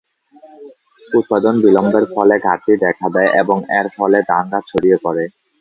উৎপাদন বিলম্বের ফলে ঘাটতি দেখা দেয় এবং এর ফলে দাঙ্গা ছড়িয়ে পড়ে।